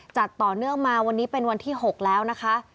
จัดต่อเนื่องมาวันนี้เป็นวันที่๖แล้วนะคะ